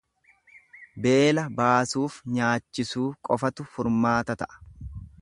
Beela baasuuf nyaachisuu qofatu furmaata ta'a.